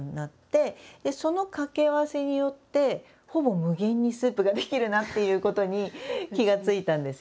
その掛け合わせによってほぼ無限にスープが出来るなっていうことに気が付いたんですよね。